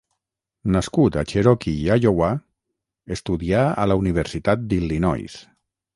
Nascut a Cherokee, Iowa, estudià a la Universitat d'Illinois.